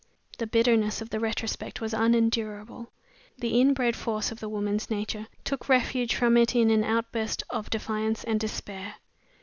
The bitterness of the retrospect was unendurable. The inbred force of the woman's nature took refuge from it in an outburst of defiance and despair.